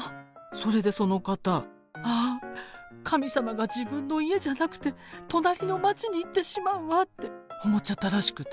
それでその方「あっ神様が自分の家じゃなくて隣の町に行ってしまうわ」って思っちゃったらしくて。